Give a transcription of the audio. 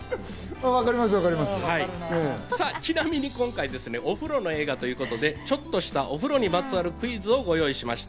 さぁちなみに今回ですね、お風呂の映画ということで、ちょっとした、お風呂にまつわるクイズをご用意しました。